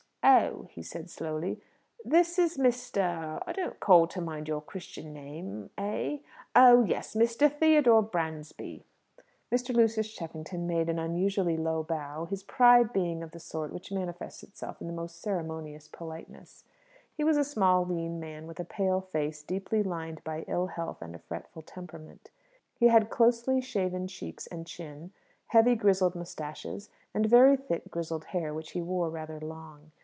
"Oh," said he slowly, "this is Mr. I don't call to mind your Christian name eh? Oh yes Mr. Theodore Bransby." Mr. Lucius Cheffington made an unusually low bow, his pride being of the sort which manifests itself in the most ceremonious politeness. He was a small, lean man, with a pale face deeply lined by ill health and a fretful temperament. He had closely shaven cheeks and chin; heavy, grizzled moustaches; and very thick, grizzled hair, which he wore rather long.